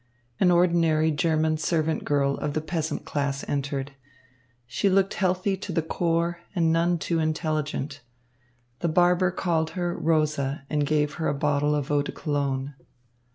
An ordinary German servant girl of the peasant class entered. She looked healthy to the core and none too intelligent. The barber called her Rosa and gave her a bottle of eau de Cologne.